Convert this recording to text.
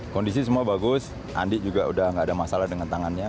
kondisi semua bagus andi juga sudah tidak ada masalah dengan tangannya